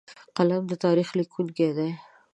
قلم د تاریخ لیکونکی دی